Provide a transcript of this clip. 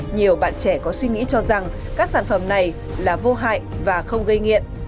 nhiều bạn trẻ có suy nghĩ cho rằng các sản phẩm này là vô hại và không gây nghiện